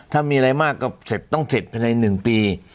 ถ้ามีอะไรมากก็ต้องเสร็จภายใน๑ปี